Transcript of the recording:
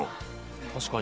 確かに。